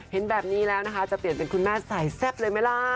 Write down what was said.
เห็นแบบนี้แล้วนะคะจะเปลี่ยนเป็นคุณแม่สายแซ่บเลยไหมล่ะ